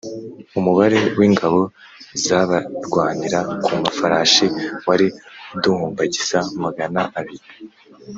Umubare w’ingabo z’abarwanira ku mafarashi wari uduhumbagiza magana abiri,